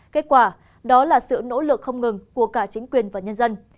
kết quả đó là sự nỗ lực không ngừng của cả chính quyền và nhân dân